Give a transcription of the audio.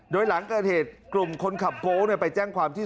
โดยหลังเกิดเหตุกลุ่มคนขับโก๊ไปแจ้งความที่